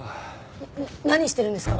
何してるんですか？